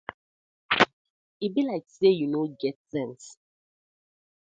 E bi layk say uno no get sence.